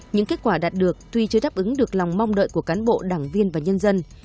những kết quả đạt được tuy chưa đáp ứng được lòng mong đợi của cán bộ đảng viên và nhân dân